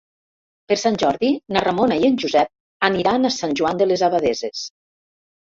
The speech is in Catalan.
Per Sant Jordi na Ramona i en Josep aniran a Sant Joan de les Abadesses.